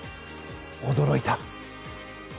驚いた。